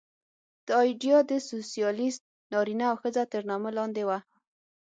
دا ایډیا د سوسیالېست نارینه او ښځه تر نامه لاندې وه